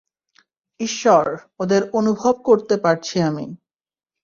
ঈশ্বর, ওদের অনুভব করতে পারছি আমি!